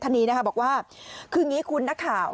นี้นะคะบอกว่าคืออย่างนี้คุณนักข่าว